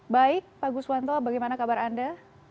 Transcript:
baik pak guswanto bagaimana kabar anda